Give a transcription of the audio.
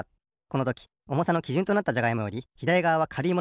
このときおもさのきじゅんとなったじゃがいもよりひだりがわはかるい